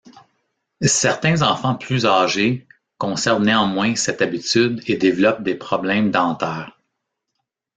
Certains enfants plus âgés conservent néanmoins cette habitude et développent des problèmes dentaires.